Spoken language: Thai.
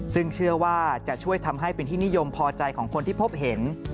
ซึ่งเชื่อว่าจะช่วยทำให้เป็นที่นิยมพอใจของคนที่พบเห็น